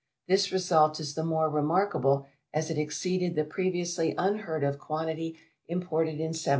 This result is the more remarkable as it exceeded the previously unheard of quantity imported in 1700.